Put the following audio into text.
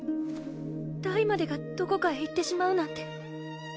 ダイまでがどこかへ行ってしまうなんて。